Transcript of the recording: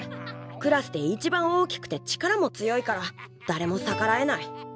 クラスで一番大きくて力も強いからだれも逆らえない。